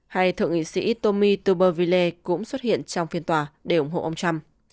hay thượng nghị sĩ tommy tuberville cũng xuất hiện trong phiên tòa để ủng hộ ông trump